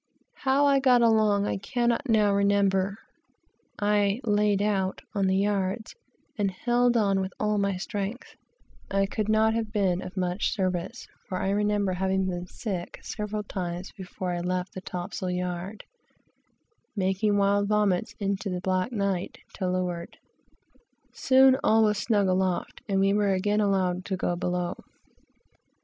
How I got along, I cannot now remember. I "laid out" on the yards and held on with all my strength. I could not have been of much service, for I remember having been sick several times before I left the topsail yard. Soon all was snug aloft, and we were again allowed to go below.